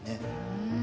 うん。